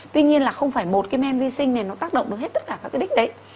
tuy nhiên là không phải một cái men vi sinh này nó tác động được hết tất cả các cái đích đấy